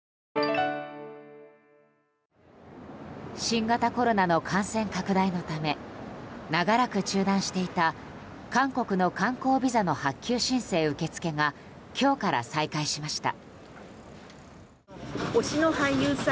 新型コロナの感染拡大のため長らく中断していた韓国の観光ビザの発給申請受付が今日から再開しました。